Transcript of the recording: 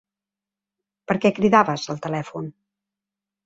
Per què cridaves, al telèfon?